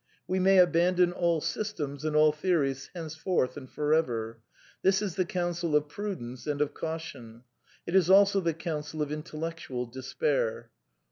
We may abandon all systems and all theories henceforth / 1 and for ever. This is the counsel of prudence and of ^ caution. It is also the counsel of intellectual despair.